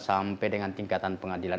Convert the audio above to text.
sampai dengan tingkatan pengadilan